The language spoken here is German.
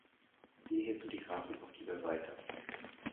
Siehe hierzu die Grafik auf dieser Seite.